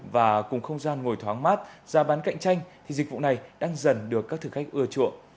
và cùng không gian ngồi thoáng mát ra bán cạnh tranh thì dịch vụ này đang dần được các thực khách ưa chuộng